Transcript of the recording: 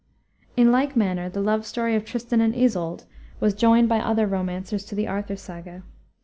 In like manner the love story of Tristan and Isolde was joined by other romancers to the Arthur Saga.